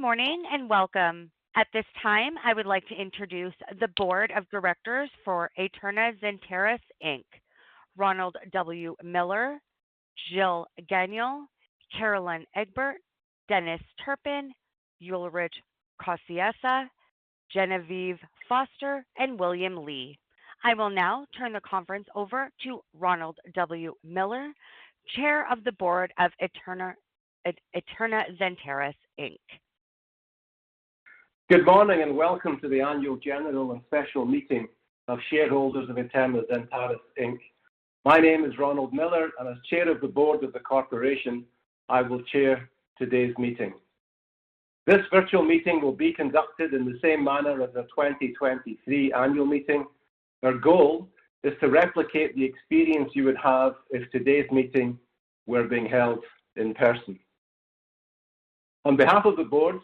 Good morning, and welcome. At this time, I would like to introduce the board of directors for Aeterna Zentaris Inc. Ronald W. Miller, Gilles Gagnon, Carolyn Egbert, Dennis Turpin, Ulrich Kosciessa, Geneviève Foster, and William Li. I will now turn the conference over to Ronald W. Miller, Chair of the Board of Aeterna Zentaris Inc. Good morning, and welcome to the Annual General and Special Meeting of Shareholders of Aeterna Zentaris Inc. My name is Ronald Miller, and as Chair of the Board of the corporation, I will chair today's meeting. This virtual meeting will be conducted in the same manner as the 2023 annual meeting. Our goal is to replicate the experience you would have if today's meeting were being held in person. On behalf of the board,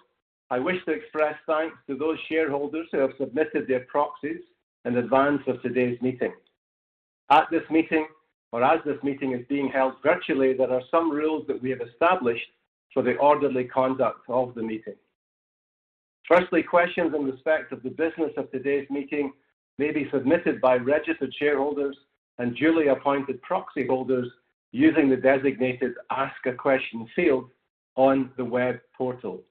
I wish to express thanks to those shareholders who have submitted their proxies in advance of today's meeting. At this meeting, or as this meeting is being held virtually, there are some rules that we have established for the orderly conduct of the meeting. Firstly, questions in respect of the business of today's meeting may be submitted by registered shareholders and duly appointed proxyholders using the designated Ask a Question field on the web portal.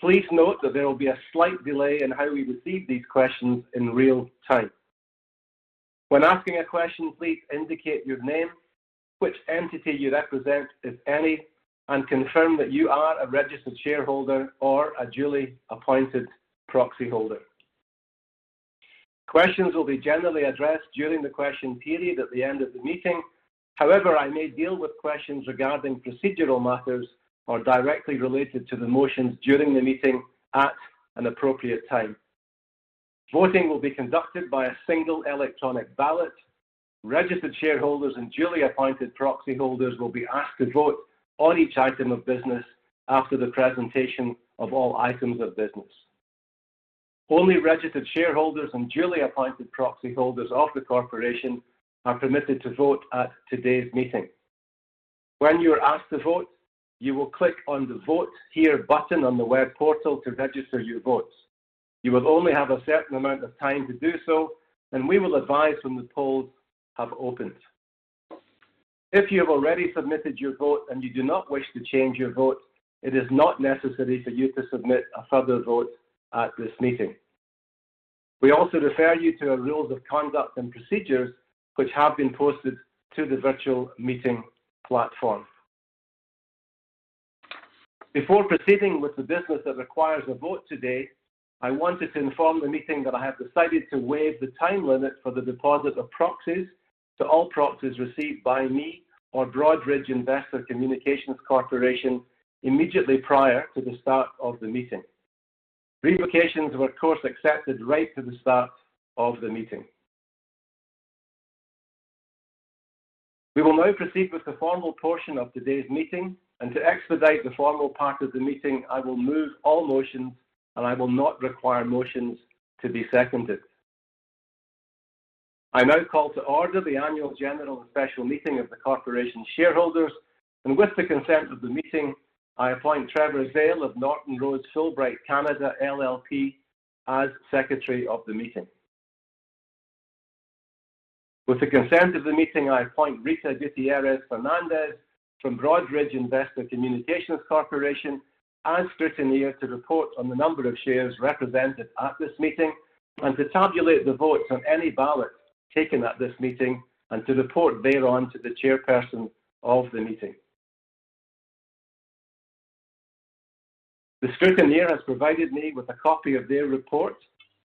Please note that there will be a slight delay in how we receive these questions in real time. When asking a question, please indicate your name, which entity you represent, if any, and confirm that you are a registered shareholder or a duly appointed proxyholder. Questions will be generally addressed during the question period at the end of the meeting. However, I may deal with questions regarding procedural matters or directly related to the motions during the meeting at an appropriate time. Voting will be conducted by a single electronic ballot. Registered shareholders and duly appointed proxyholders will be asked to vote on each item of business after the presentation of all items of business. Only registered shareholders and duly appointed proxyholders of the corporation are permitted to vote at today's meeting. When you are asked to vote, you will click on the Vote Here button on the web portal to register your votes. You will only have a certain amount of time to do so, and we will advise when the polls have opened. If you have already submitted your vote and you do not wish to change your vote, it is not necessary for you to submit a further vote at this meeting. We also refer you to our rules of conduct and procedures, which have been posted to the virtual meeting platform. Before proceeding with the business that requires a vote today, I wanted to inform the meeting that I have decided to waive the time limit for the deposit of proxies to all proxies received by me or Broadridge Investor Communications Corporation immediately prior to the start of the meeting. Revocations were, of course, accepted right to the start of the meeting. We will now proceed with the formal portion of today's meeting, and to expedite the formal part of the meeting, I will move all motions, and I will not require motions to be seconded. I now call to order the annual general and special meeting of the corporation shareholders, and with the consent of the meeting, I appoint Trevor Vale of Norton Rose Fulbright Canada LLP as Secretary of the meeting. With the consent of the meeting, I appoint Rita Gutierrez-Fernandez from Broadridge Investor Communications Corporation as scrutineer, to report on the number of shares represented at this meeting and to tabulate the votes on any ballots taken at this meeting and to report thereon to the chairperson of the meeting. The scrutineer has provided me with a copy of their report,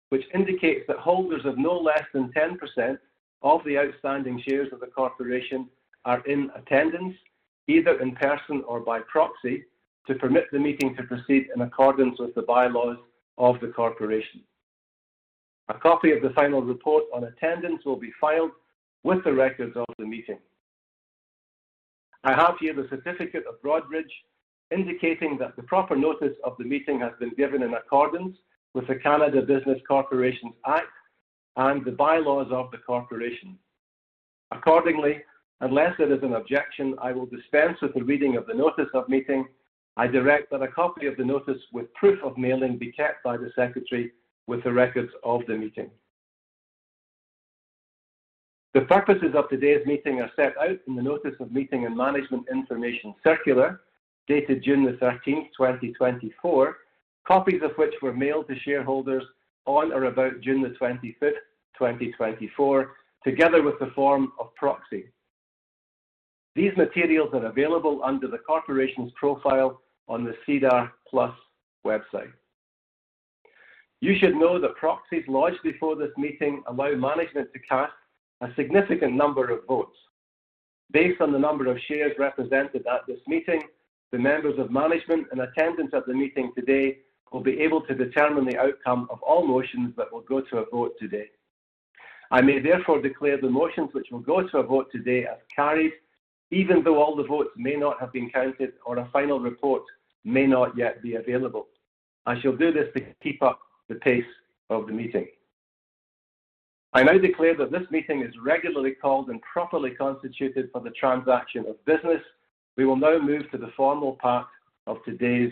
which indicates that holders of no less than 10% of the outstanding shares of the corporation are in attendance, either in person or by proxy, to permit the meeting to proceed in accordance with the bylaws of the corporation. A copy of the final report on attendance will be filed with the records of the meeting. I have here the certificate of Broadridge, indicating that the proper notice of the meeting has been given in accordance with the Canada Business Corporations Act and the bylaws of the corporation. Accordingly, unless there is an objection, I will dispense with the reading of the notice of meeting. I direct that a copy of the notice with proof of mailing be kept by the secretary with the records of the meeting. The purposes of today's meeting are set out in the Notice of Meeting and Management Information Circular, dated June the thirteenth, 2024, copies of which were mailed to shareholders on or about June the twenty-fifth, 2024, together with the form of proxy. These materials are available under the corporation's profile on the SEDAR+ website. You should know that proxies lodged before this meeting allow management to cast a significant number of votes. Based on the number of shares represented at this meeting, the members of management in attendance at the meeting today will be able to determine the outcome of all motions that will go to a vote today. I may therefore declare the motions which will go to a vote today as carried, even though all the votes may not have been counted or a final report may not yet be available. I shall do this to keep up the pace of the meeting. I now declare that this meeting is regularly called and properly constituted for the transaction of business. We will now move to the formal part of today's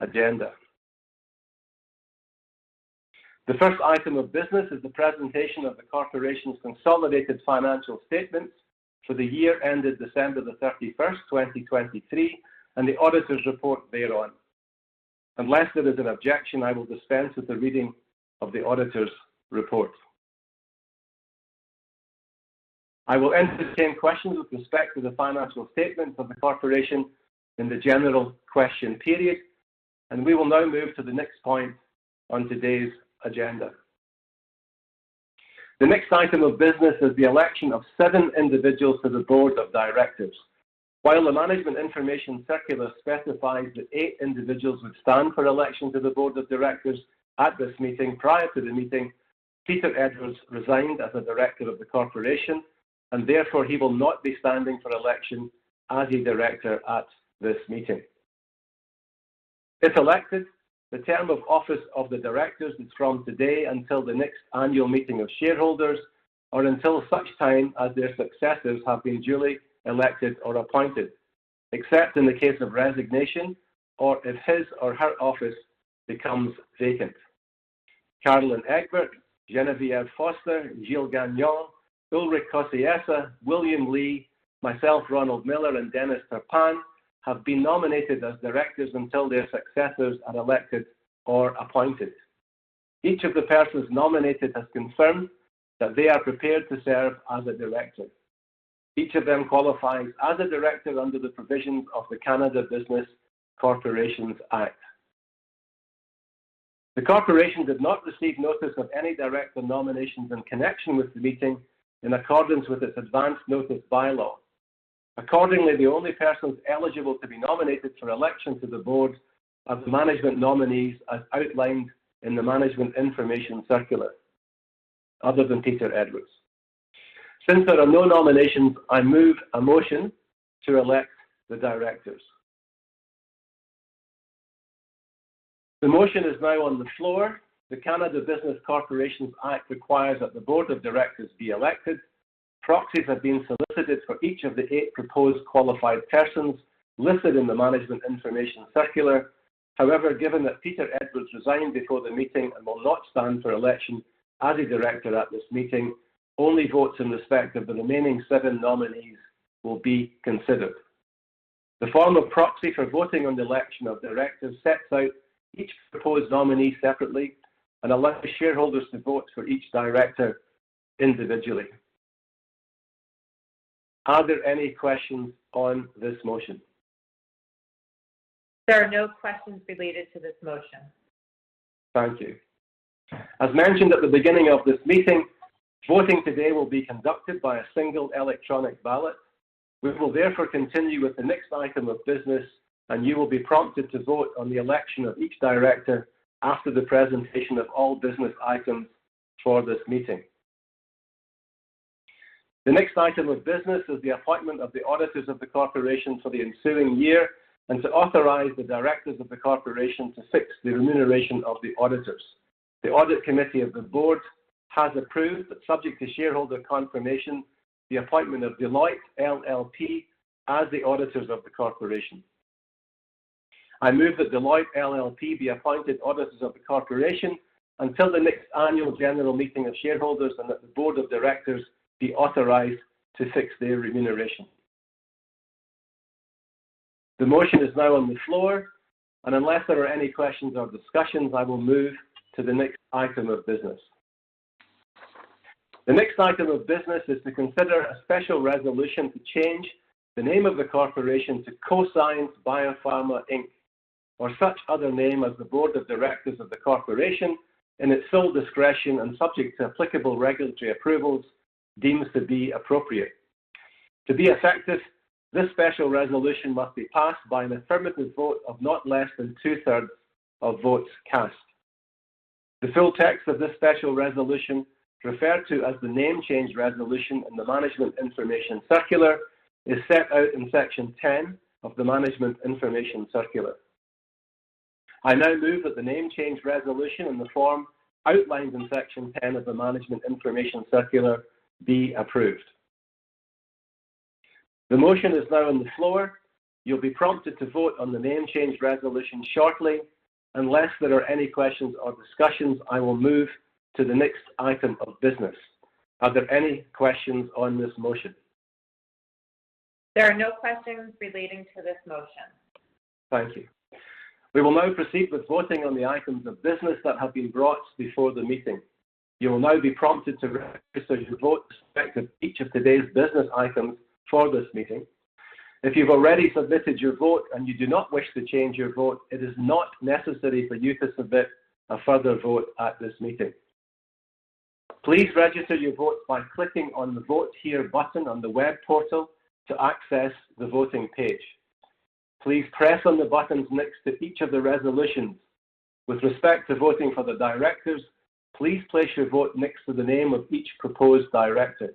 agenda. The first item of business is the presentation of the corporation's consolidated financial statements for the year ended December 31, 2023, and the auditor's report thereon. Unless there is an objection, I will dispense with the reading of the auditor's report. I will entertain questions with respect to the financial statements of the corporation in the general question period, and we will now move to the next point on today's agenda. The next item of business is the election of seven individuals to the board of directors. While the management information circular specifies that eight individuals would stand for election to the board of directors at this meeting, prior to the meeting, Peter Edwards resigned as a director of the corporation, and therefore he will not be standing for election as a director at this meeting. If elected, the term of office of the directors is from today until the next annual meeting of shareholders, or until such time as their successors have been duly elected or appointed, except in the case of resignation or if his or her office becomes vacant. Carolyn Egbert, Geneviève Foster, Gilles Gagnon, Ulrich Kosciessa, William Li, myself, Ronald Miller, and Dennis Turpin have been nominated as directors until their successors are elected or appointed. Each of the persons nominated has confirmed that they are prepared to serve as a director. Each of them qualifies as a director under the provisions of the Canada Business Corporations Act. The corporation did not receive notice of any director nominations in connection with the meeting in accordance with its advance notice bylaws. Accordingly, the only persons eligible to be nominated for election to the board are the management nominees, as outlined in the management information circular, other than Peter Edwards. Since there are no nominations, I move a motion to elect the directors. The motion is now on the floor. The Canada Business Corporations Act requires that the board of directors be elected. Proxies have been solicited for each of the eight proposed qualified persons listed in the management information circular. However, given that Peter Edwards resigned before the meeting and will not stand for election as a director at this meeting, only votes in respect of the remaining seven nominees will be considered. The form of proxy for voting on the election of directors sets out each proposed nominee separately and allows shareholders to vote for each director individually. Are there any questions on this motion? There are no questions related to this motion. Thank you. As mentioned at the beginning of this meeting, voting today will be conducted by a single electronic ballot. We will therefore continue with the next item of business, and you will be prompted to vote on the election of each director after the presentation of all business items for this meeting. The next item of business is the appointment of the auditors of the corporation for the ensuing year and to authorize the directors of the corporation to fix the remuneration of the auditors. The audit committee of the board has approved, but subject to shareholder confirmation, the appointment of Deloitte LLP as the auditors of the corporation. I move that Deloitte LLP be appointed auditors of the corporation until the next annual general meeting of shareholders and that the board of directors be authorized to fix their remuneration. The motion is now on the floor, and unless there are any questions or discussions, I will move to the next item of business. The next item of business is to consider a special resolution to change the name of the corporation to COSCIENS Biopharma Inc., or such other name as the board of directors of the corporation, in its sole discretion and subject to applicable regulatory approvals, deems to be appropriate. To be effective, this special resolution must be passed by an affirmative vote of not less than two-thirds of votes cast. The full text of this special resolution, referred to as the name change resolution in the Management Information Circular, is set out in section 10 of the Management Information Circular. I now move that the name change resolution in the form outlined in section 10 of the Management Information Circular be approved. The motion is now on the floor. You'll be prompted to vote on the name change resolution shortly. Unless there are any questions or discussions, I will move to the next item of business. Are there any questions on this motion? There are no questions relating to this motion. Thank you. We will now proceed with voting on the items of business that have been brought before the meeting. You will now be prompted to register your vote with respect to each of today's business items for this meeting. If you've already submitted your vote and you do not wish to change your vote, it is not necessary for you to submit a further vote at this meeting. Please register your vote by clicking on the "Vote here" button on the web portal to access the voting page. Please press on the buttons next to each of the resolutions. With respect to voting for the directors, please place your vote next to the name of each proposed director.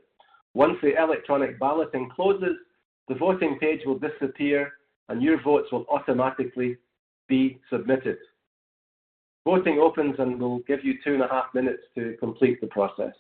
Once the electronic balloting closes, the voting page will disappear, and your votes will automatically be submitted.... Voting opens, and we'll give you 2.5 minutes to complete the process.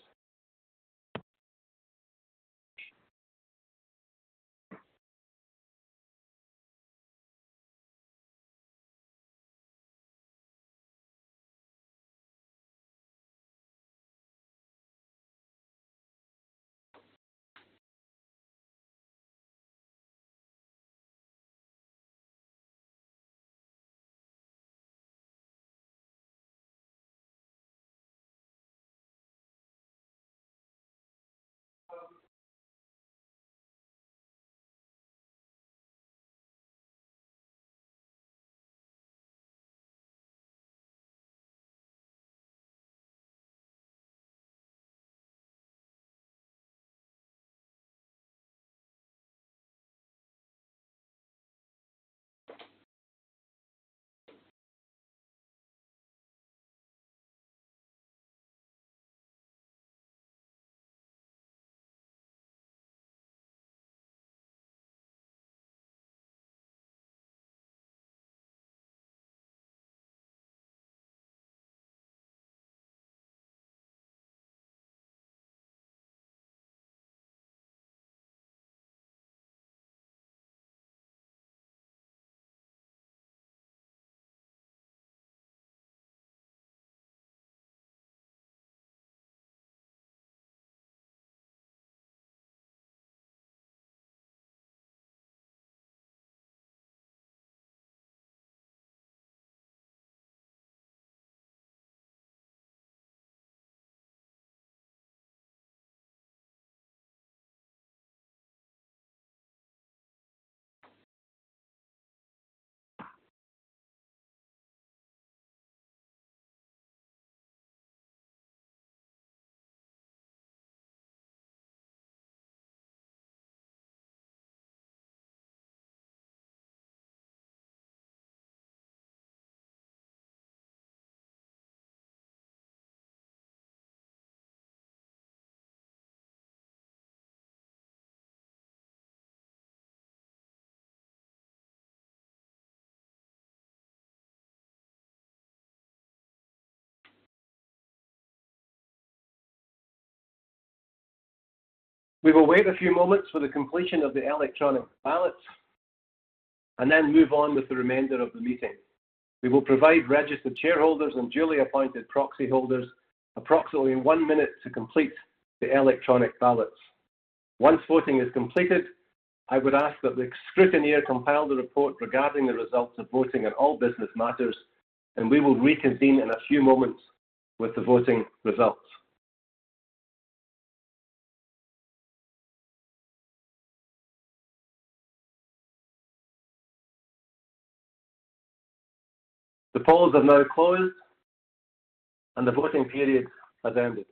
We will wait a few moments for the completion of the electronic ballots and then move on with the remainder of the meeting. We will provide registered shareholders and duly appointed proxy holders approximately one minute to complete the electronic ballots. Once voting is completed, I would ask that the scrutineer compile the report regarding the results of voting on all business matters, and we will reconvene in a few moments with the voting results. The polls have now closed, and the voting periods have ended.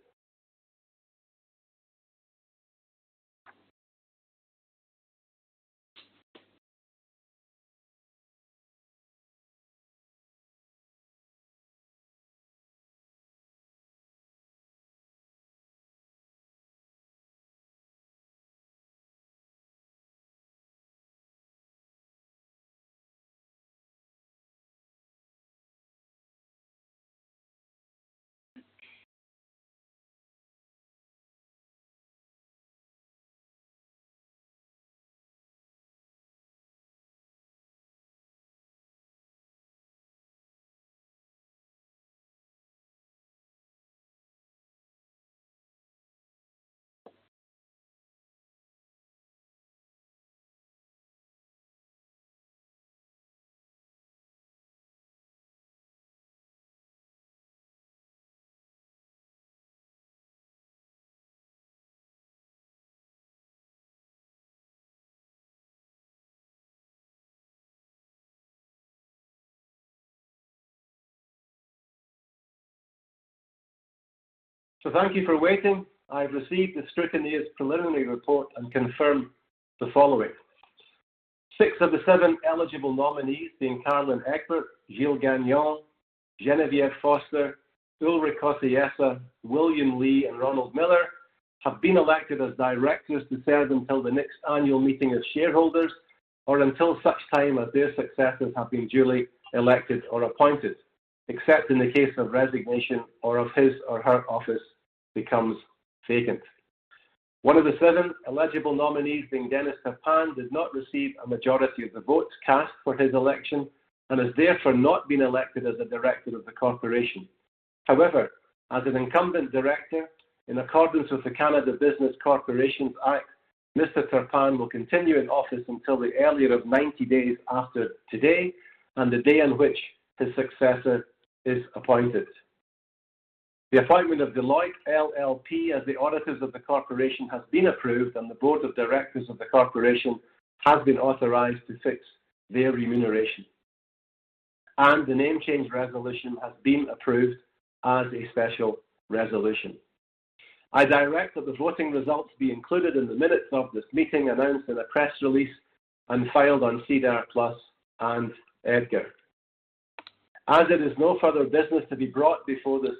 So thank you for waiting. I have received the scrutineer's preliminary report and confirm the following: Six of the seven eligible nominees, being Carolyn Egbert, Gilles Gagnon, Geneviève Foster, Ulrich Kosciessa, William Li, and Ronald Miller, have been elected as directors to serve until the next annual meeting of shareholders or until such time as their successors have been duly elected or appointed, except in the case of resignation or of his or her office becomes vacant. One of the seven eligible nominees, being Dennis Turpin, did not receive a majority of the votes cast for his election and has therefore not been elected as a director of the corporation. However, as an incumbent director, in accordance with the Canada Business Corporations Act, Mr. Turpin will continue in office until the earlier of 90 days after today and the day on which his successor is appointed. The appointment of Deloitte LLP as the auditors of the corporation has been approved, and the board of directors of the corporation has been authorized to fix their remuneration. The name change resolution has been approved as a special resolution. I direct that the voting results be included in the minutes of this meeting, announced in a press release, and filed on SEDAR+ and EDGAR. As there is no further business to be brought before this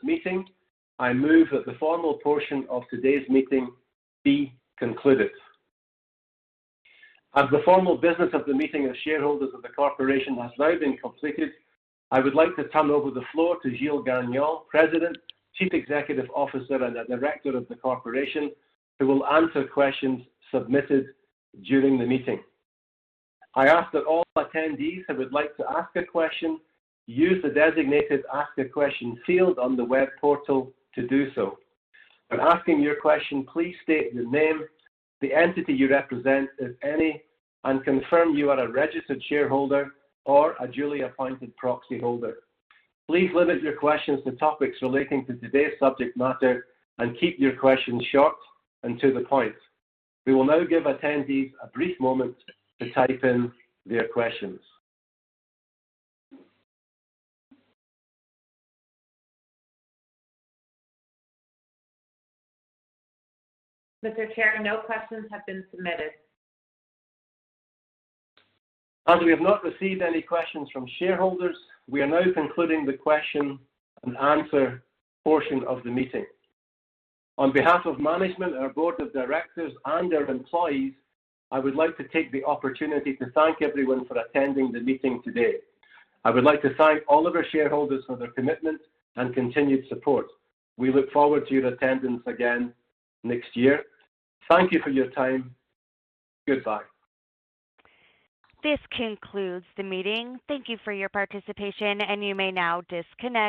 meeting, I move that the formal portion of today's meeting be concluded. As the formal business of the meeting of shareholders of the corporation has now been completed, I would like to turn over the floor to Gilles Gagnon, President, Chief Executive Officer, and a Director of the corporation, who will answer questions submitted during the meeting. I ask that all attendees who would like to ask a question, use the designated Ask a Question field on the web portal to do so. When asking your question, please state your name, the entity you represent, if any, and confirm you are a registered shareholder or a duly appointed proxyholder. Please limit your questions to topics relating to today's subject matter and keep your questions short and to the point. We will now give attendees a brief moment to type in their questions. Mr. Chair, no questions have been submitted. As we have not received any questions from shareholders, we are now concluding the question and answer portion of the meeting. On behalf of management, our board of directors, and our employees, I would like to take the opportunity to thank everyone for attending the meeting today. I would like to thank all of our shareholders for their commitment and continued support. We look forward to your attendance again next year. Thank you for your time. Goodbye. This concludes the meeting. Thank you for your participation, and you may now disconnect.